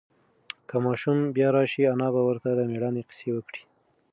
که ماشوم بیا راشي، انا به ورته د مېړانې قصې وکړي.